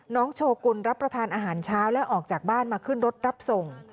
โชกุลรับประทานอาหารเช้าและออกจากบ้านมาขึ้นรถรับส่ง